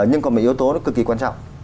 nhưng còn một yếu tố nó cực kỳ quan trọng